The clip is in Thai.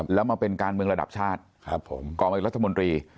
แล้วมาเป็นการเมืองระดับชาติเป็นรัฐมนตรี